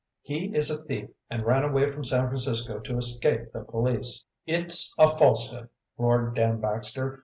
"He is a thief and ran away from San Francisco to escape the police." "It's a falsehood!" roared Dan Baxter.